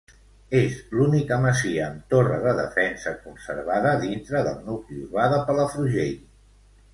És l'única masia amb torre de defensa conservada dintre del nucli urbà de Palafrugell.